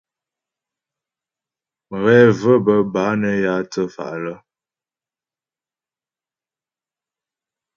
Mghɛ və̀ bə́ bâ nə́ yǎ thə́fa' lə́.